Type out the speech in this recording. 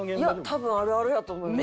多分あるあるやと思います。